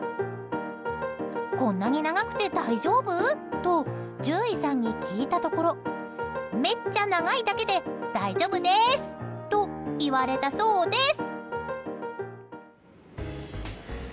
こんなに長くて大丈夫？と獣医さんに聞いたところめっちゃ長いだけで大丈夫ですと言われたそうです。